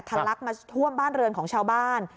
ลักมาท่วมบ้านเรือนของชาวบ้าน